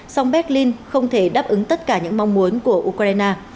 song berlin không thể đáp ứng tất cả những mong muốn của ukraine